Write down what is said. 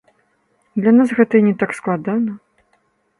Для нас гэта і не так складана.